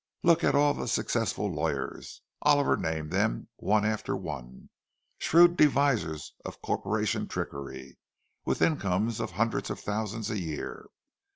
Look at all the successful lawyers! Oliver named them, one after one—shrewd devisers of corporation trickery, with incomes of hundreds of thousands a year.